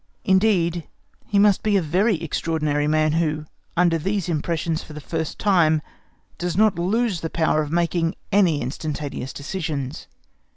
Indeed, he must be a very extraordinary man who, under these impressions for the first time, does not lose the power of making any instantaneous decisions.